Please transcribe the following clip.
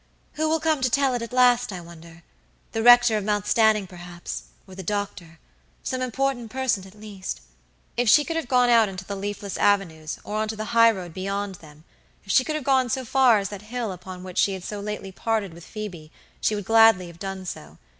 Who will come to tell it, at last, I wonder? The rector of Mount Stanning, perhaps, or the doctor; some important person at least." If she could have gone out into the leafless avenues, or onto the high road beyond them; if she could have gone so far as that hill upon which she had so lately parted with Phoebe, she would have gladly done so.